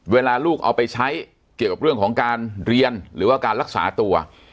เวลาลูกเอาไปใช้เกี่ยวกับเรื่องของการเรียนหรือว่าการรักษาตัว